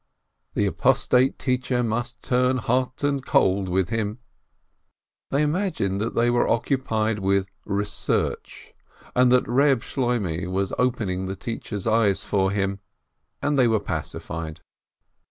The apostate teacher must turn hot and cold with him! They imagined that they were occupied with research, and that Eeb Shloimeh was opening the teacher's eyes for him — and they were pacified.